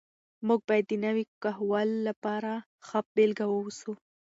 موږ باید د نوي کهول لپاره ښه بېلګه واوسو.